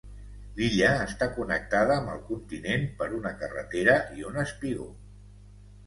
L'illa està connectada amb el continent per una carretera i un espigó.